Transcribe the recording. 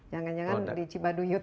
jangan jangan di cibaduyut